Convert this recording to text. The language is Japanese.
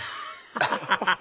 アハハハ！